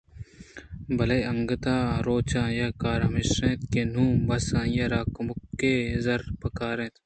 بلئے انگتءَ ہرروچ آئی ءِ کار ہمیش اَت کہ نوں بس آئی ءَ را کموکے زرّ پکار اِنت